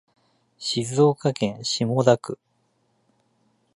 静岡県下田市